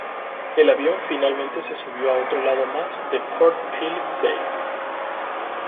El avión finalmente se subió a otro lado más de Port Phillip Bay.